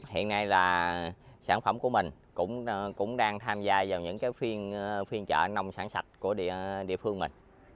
hiện nay là sản phẩm của mình cũng đang tham gia vào những phiên trợ nông sản sạch của địa phương mình